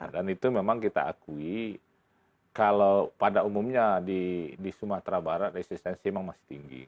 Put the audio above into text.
dan itu memang kita akui kalau pada umumnya di sumatera barat resistensi memang masih tinggi